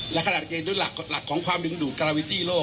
และโดยหลักของความดูดกราวิตี้โลก